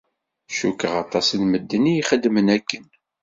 Cukkeɣ aṭas n medden i ixeddmen akken.